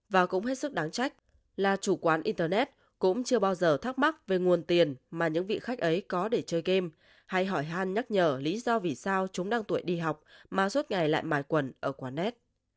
và cũng hết sức đáng trách là chủ quán internet cũng chưa bao giờ thắc mắc về nguồn tiền mà những vị khách ấy có để chơi game hay hỏi hàn nhắc nhở lý do vì sao chúng đang tuổi đi học mà suốt ngày lại mài quần ở quán nét